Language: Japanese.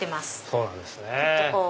そうなんですね。